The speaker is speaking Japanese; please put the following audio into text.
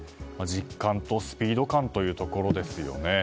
実感とスピード感というところですよね。